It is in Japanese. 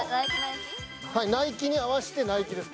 ナイキに合わせてナイキです